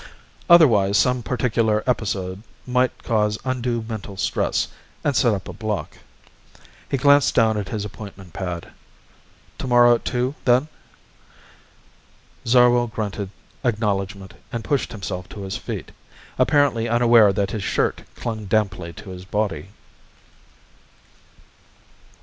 Otherwise some particular episode might cause undue mental stress, and set up a block." He glanced down at his appointment pad. "Tomorrow at two, then?" Zarwell grunted acknowledgment and pushed himself to his feet, apparently unaware that his shirt clung damply to his body.